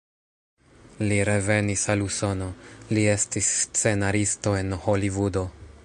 Li revenis al Usono, li estis scenaristo en Holivudo.